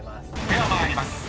［では参ります。